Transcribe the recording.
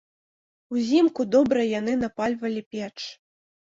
Узімку добра яны напальвалі печ.